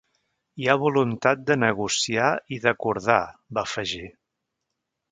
Hi ha voluntat de negociar i d’acordar, va afegir.